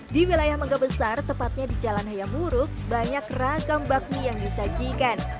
di wilayah mangga besar tepatnya di jalan hayamuruk banyak ragam bakmi yang disajikan